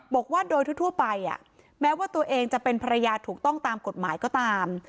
บอกว่าโดยทั่วไปแม้ว่าตัวเองจะเป็นภรรยาถูกต้องตามกฎหมายก็ตาม